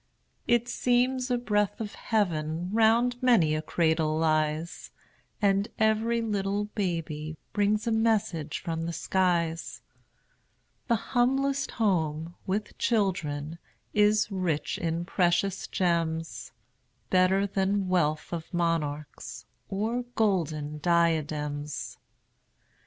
It seems a breath of heaven "Round many a cradle lies," And every little baby Brings a message from the skies. The humblest home, with children, Is rich in precious gems; Better than wealth of monarchs, Or golden diadems.